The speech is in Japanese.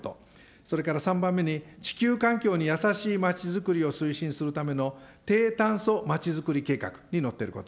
それから３番目に、地球環境にやさしいまちづくりを推進するための低炭素まちづくり計画に載ってること。